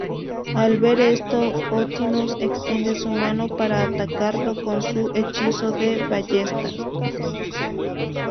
Al ver esto, Othinus extiende su mano para atacarlo con su hechizo de ballesta.